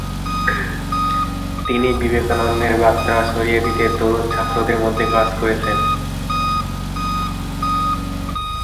তিনি বিবেকানন্দের বার্তা ছড়িয়ে দিতে তরুণ ও ছাত্রদের মধ্যে কাজ করেছেন।